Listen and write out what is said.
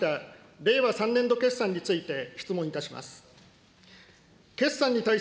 令和３年度決算について質問いたします。